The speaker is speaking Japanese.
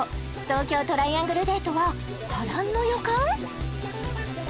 東京トライアングルデートは波乱の予感？